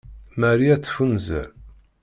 Marie ad teffunzer.